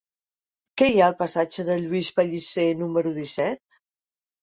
Què hi ha al passatge de Lluís Pellicer número disset?